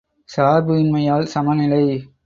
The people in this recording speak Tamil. சார்பு இன்மையால் சமநிலை!